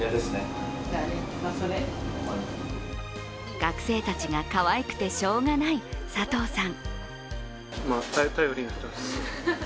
学生たちがかわいくてしょうがない佐藤さん。